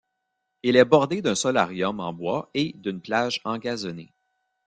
Il est bordé d'un solarium en bois et d'une plage engazonnée.